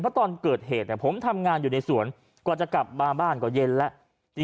เพราะตอนเกิดเหตุผมทำงานอยู่ในสวนกว่าจะกลับมาบ้านก็เย็นแล้ว